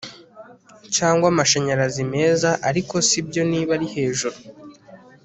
Cyangwa amashanyarazi meza ariko sibyo niba ari hejuru